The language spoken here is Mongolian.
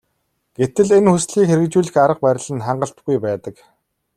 Гэтэл энэ хүслийг хэрэгжүүлэх арга барил нь хангалтгүй байдаг.